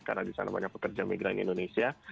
karena di sana banyak pekerja migran indonesia